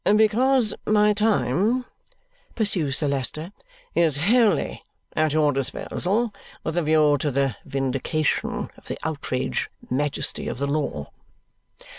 "Because my time," pursues Sir Leicester, "is wholly at your disposal with a view to the vindication of the outraged majesty of the law."